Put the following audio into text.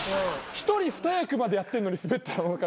一人二役までやってるのにスベったら。